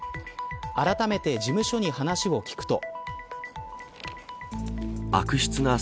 あらためて事務所に話を聞くと。